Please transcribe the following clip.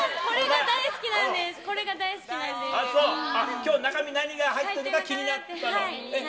きょう中身何が入ってるか気になったの？